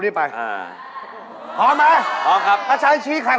เฮ่ยเฮ่ยเฮ่ย